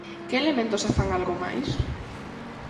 Que elementos a fan algo máis?